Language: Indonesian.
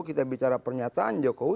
kita bicara pernyataan jokowi